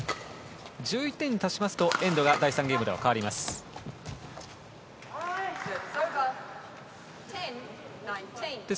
１１点に達しますとエンドが第３ゲームでは変わります。